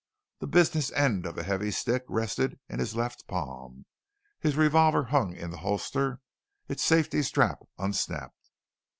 The business end of the heavy stick rested in his left palm. His revolver hung in the holster, its safety strap unsnapped.